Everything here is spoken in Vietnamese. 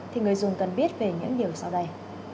thì người dùng cần biết về những điều sau đây